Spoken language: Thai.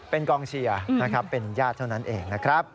เป็นกองเชียร์นะครับเป็นญาติเท่านั้นเองนะครับ